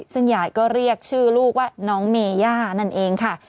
ซึ่งยายก็เรียกชื่อลูกว่าน้องเมย่านั่นเองค่ะ